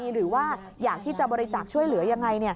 หรือว่าอยากที่จะบริจาคช่วยเหลือยังไง